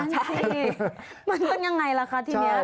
ใช่มันเป็นยังไงล่ะคะทีนี้